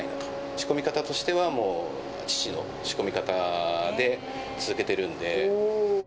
仕込み方としてはもう父の仕込み方で続けてるんで。